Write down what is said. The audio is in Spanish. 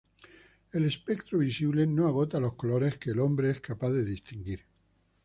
El espectro visible no agota los colores que el hombre es capaz de distinguir.